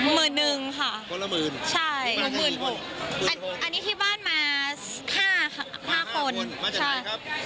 หมื่นนึงค่ะคนละหมื่นใช่ละหมื่นหกอันนี้ที่บ้านมาห้าห้าคนไม่ใช่ครับ